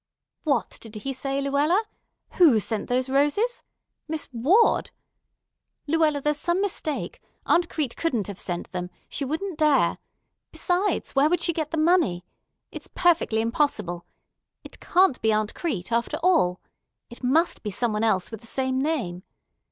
"What did he say, Luella? Who sent those roses? Miss Ward? Luella, there's some mistake. Aunt Crete couldn't have sent them. She wouldn't dare! Besides, where would she get the money? It's perfectly impossible. It can't be Aunt Crete, after all. It must be some one else with the same name.